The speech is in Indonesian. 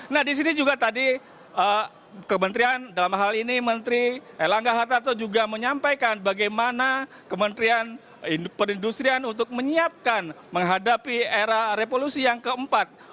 nah disini juga tadi kementerian dalam hal ini menteri elangga hartarto juga menyampaikan bagaimana kementerian perindustrian untuk menyiapkan menghadapi era revolusi yang keempat